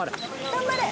頑張れ。